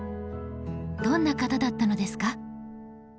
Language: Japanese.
どんな方だったのですか？